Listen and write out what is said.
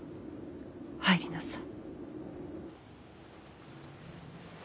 入りなさい。